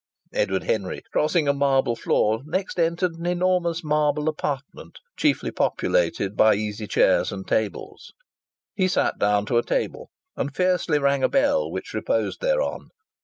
Edward Henry, crossing a marble floor, next entered an enormous marble apartment chiefly populated by easy chairs and tables. He sat down to a table and fiercely rang a bell which reposed thereon.